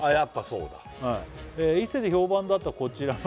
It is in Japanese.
そうだ「伊勢で評判だったこちらの」